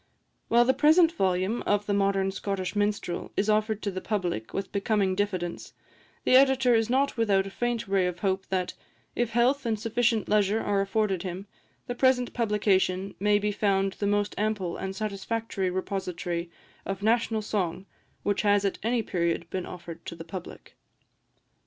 While the present volume of "The Modern Scottish Minstrel" is offered to the public with becoming diffidence, the Editor is not without a faint ray of hope that, if health and sufficient leisure are afforded him, the present publication may be found the most ample and satisfactory repository of national song which has at any period been offered to the public.